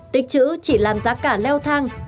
tích chữ chỉ làm giá cả leo thang